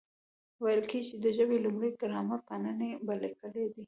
ویل کېږي، چي د ژبي لومړی ګرامر پانني لیکلی دئ.